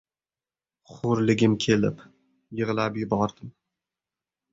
Xo‘rligim kelib... yig‘lab yubordim...